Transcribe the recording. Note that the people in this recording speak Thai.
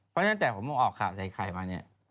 ซึ่งตั้งแต่ผมออกข่าวไซคัยข่างนี้